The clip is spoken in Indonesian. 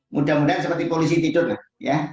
mudah mudahan seperti polisi tidur lah ya